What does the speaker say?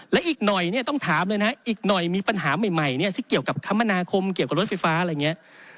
และอีกหน่อยเนี่ยต้องถามเลยนะอีกหน่อยมีปัญหาใหม่เนี่ยที่เกี่ยวกับคมนาคมเกี่ยวกับรถไฟฟ้าอะไรอย่างนี้